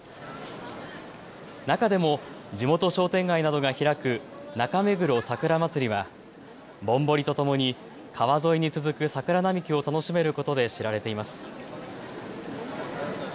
中でも地元商店街などが開く中目黒桜まつりはぼんぼりとともに川沿いに続く桜並木を楽しめることで知られています。